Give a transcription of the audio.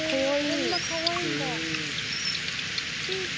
こんなかわいいんだ。